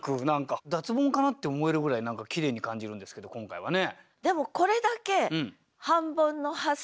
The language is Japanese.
脱ボンかな？って思えるぐらいきれいに感じるんですけど今回はね。